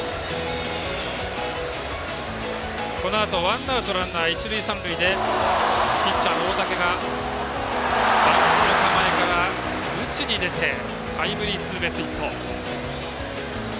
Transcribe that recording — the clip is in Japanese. このあと、ワンアウトランナー、一塁三塁でピッチャーの大竹がバントの構えから打ちに出てタイムリーツーベースヒット。